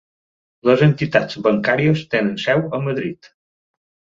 Les entitats bancàries tenen seu a Madrid.